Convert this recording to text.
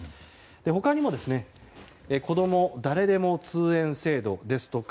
他にも、こども誰でも通園制度ですとか